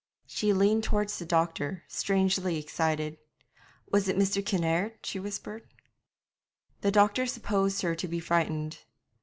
She leaned towards the doctor, strangely excited. 'Was it Mr. Kinnaird?' she whispered. The doctor supposed her to be frightened.